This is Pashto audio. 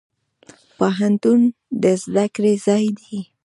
پوهنتون د زده کړي ځای دی.